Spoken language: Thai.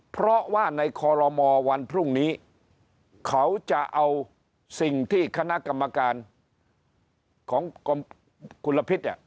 เพราะว่าในคอลโลมวันพรุ่งนี้เขาจะเอาสิ่งที่คณะกรรมการของกรมคุณลพิษเนี่ย